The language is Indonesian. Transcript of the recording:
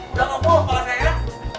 udah ngopo sekolah saya